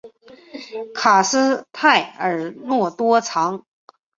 卡斯泰尔诺多藏。